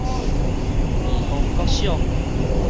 義方國小